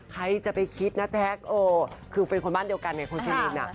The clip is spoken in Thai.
ใครจะไปคิดนะแจ๊คคือเป็นคนบ้านเดียวกันไงคุณสุริน